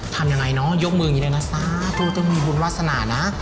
ทำยังไงเนอะยกมืออย่างนี้เลยนะจ๊ะลูกต้องมีบุญวาสนานะ